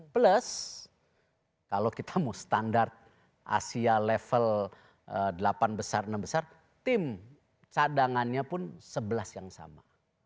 plus kalau kita mau standar asia level delapan besar enam besar tim cadangannya pun sebelas yang sama